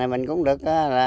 mình cũng được